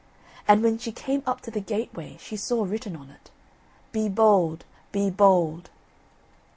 And when she came up to the gateway she saw written on it: BE BOLD, BE BOLD.